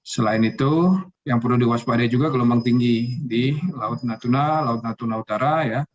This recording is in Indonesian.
selain itu yang perlu diwaspadai juga gelombang tinggi di laut natuna laut natuna utara